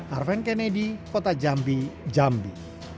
arven kennedy kota jambi jambi